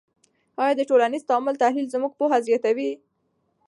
آیا د ټولنیز تعامل تحلیل زموږ پوهه زیاتوي؟